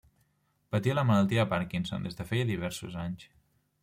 Patia la malaltia de Parkinson des de feia diversos anys.